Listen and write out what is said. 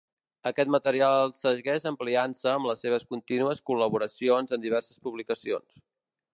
Aquest material segueix ampliant-se amb les seves contínues col·laboracions en diverses publicacions.